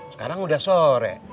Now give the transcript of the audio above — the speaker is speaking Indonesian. sekarang udah sore